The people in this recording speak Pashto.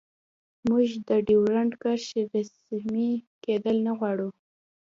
موږ د ډیورنډ کرښې رسمي کیدل نه غواړو